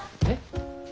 えっ。